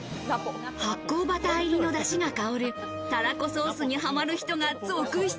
発酵バター入りのだしが香る、たらこソースにハマる人が続出。